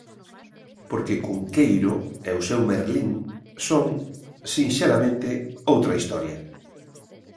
Porque Cunqueiro e o seu Merlín son, sinxelamente, outra historia.